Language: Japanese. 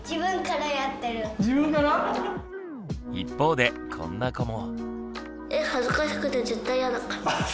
一方でこんな子も。